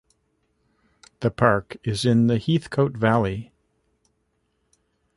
The park is in the Heathcote Valley.